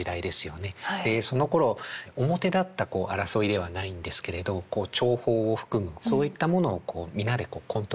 でそのころ表立った争いではないんですけれど情報を含むそういったものを皆でこうコントロールする。